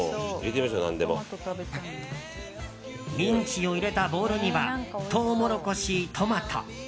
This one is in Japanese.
ミンチを入れたボウルにはトウモロコシ、トマト。